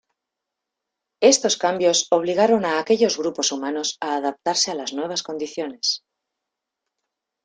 Estos cambios obligaron a aquellos grupos humanos a adaptarse a las nuevas condiciones.